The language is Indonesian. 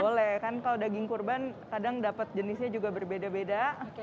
boleh kan kalau daging kurban kadang dapat jenisnya juga berbeda beda